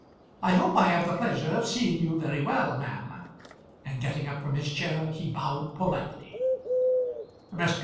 I hope I have the pleasure of seeing you very well, ma'am?" And getting up from his chair he bowed politely. "Mr.